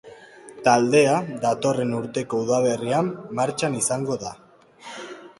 Taldea datorren urteko udaberrian martxan izango da.